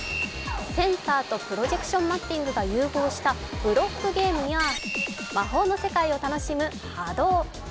センターとプロジェクションマッピングが融合したブロックゲームや魔法の世界を楽しむＨＡＤＯ。